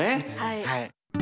はい。